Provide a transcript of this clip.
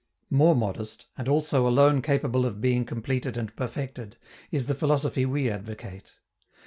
More modest, and also alone capable of being completed and perfected, is the philosophy we advocate.